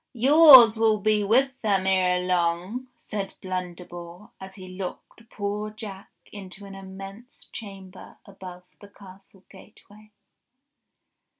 ''Yours will be with them ere long," said Blunderbore as he locked poor Jack into an immense chamber above the castle gateway.